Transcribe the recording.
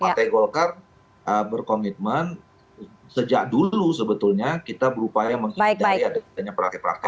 partai golkar berkomitmen sejak dulu sebetulnya kita berupaya menghindari adanya praktik praktik itu